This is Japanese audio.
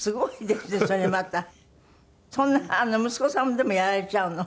そんな息子さんでもやられちゃうの？